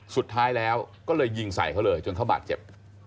สุดท้ายแล้วก็เลยยิงใส่เขาเลยจนเขาบาดเจ็บ